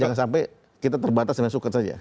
jangan sampai kita terbatas dan masuk ke saja